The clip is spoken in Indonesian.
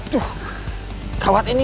tuh gawat ini